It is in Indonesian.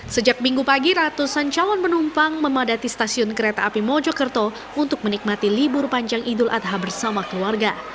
sejak minggu pagi ratusan calon penumpang memadati stasiun kereta api mojokerto untuk menikmati libur panjang idul adha bersama keluarga